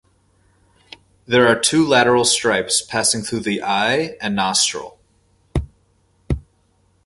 There are two lateral stripes passing through the eye and nostril.